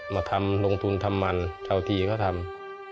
มาทำลงทุนทำมันเท่าที่เขาทำ